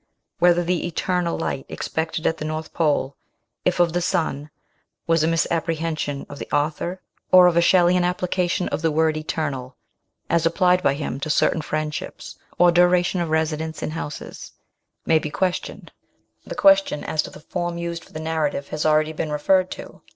Whether the eternal light expected at the North Pole, if of the sun, was a misapprehension of the author or a Shelleyan application of the word eternal (as applied by him to certain friendships, or duration of residence in houses) may be questioned. The question as to the form used for the narrative has already been referred to.